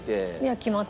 決まった？